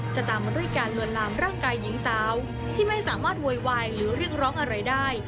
ตามมาด้วยการลวนลามร่างกายหญิงสาวที่ไม่สามารถโวยวายหรือเรียกร้องอะไรได้